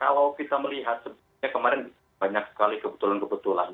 kalau kita melihat sebenarnya kemarin banyak sekali kebetulan kebetulan